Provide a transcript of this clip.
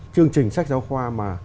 chương trình sách giáo khoa mà